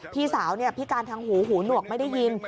พี่สาวพิการทางหูหูหนวกไม่ได้ยิน